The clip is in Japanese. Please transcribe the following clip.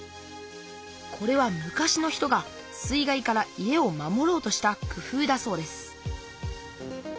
これは昔の人が水害から家を守ろうとした工夫だそうです